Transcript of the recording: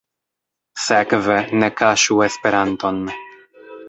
Sekve, ne kaŝu Esperanton.